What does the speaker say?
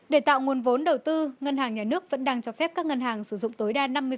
để tạo nguồn vốn đầu tư ngân hàng nhà nước vẫn đang cho phép các ngân hàng sử dụng tối đa năm mươi